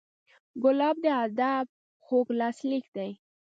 ګلاب د ادب خوږ لاسلیک دی.